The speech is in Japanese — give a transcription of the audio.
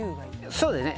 そうですね。